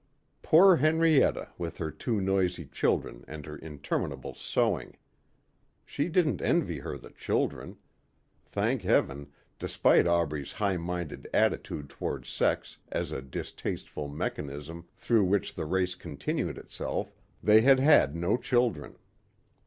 Poor Henrietta with her two noisy children and her interminable sewing. She didn't envy her the children. Thank Heaven, despite Aubrey's high minded attitude toward sex as a distasteful mechanism through which the race continued itself, they had had no children.